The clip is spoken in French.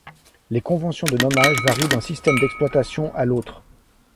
Les conventions de nommage varient d'un système d'exploitation à l'autre.